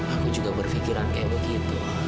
aku juga berpikiran kayak begitu